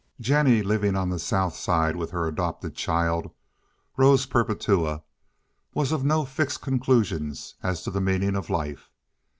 Jennie, living on the South Side with her adopted child, Rose Perpetua, was of no fixed conclusion as to the meaning of life.